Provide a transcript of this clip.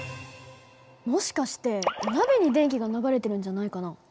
もしかしてお鍋に電気が流れてるんじゃないかな？